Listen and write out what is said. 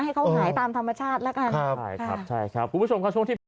ให้เขาหายตามธรรมชาติแล้วกันใช่ครับใช่ครับคุณผู้ชมค่ะช่วงที่เป็น